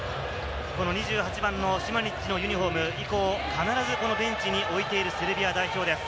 ２８番のシマニッチのユニホーム、必ずベンチに置いているセルビア代表です。